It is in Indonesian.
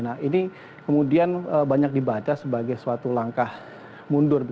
nah ini kemudian banyak dibaca sebagai suatu langkah mundur